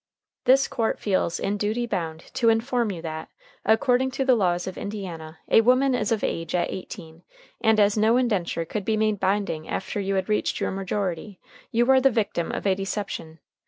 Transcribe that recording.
"This court feels in duty bound to inform you that, according to the laws of Indiana, a woman is of age at eighteen, and as no indenture could be made binding after you had reached your majority, you are the victim of a deception.